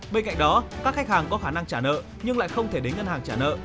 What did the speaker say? bên cạnh đó các khách hàng có khả năng trả nợ nhưng lại không thể đến ngân hàng trả nợ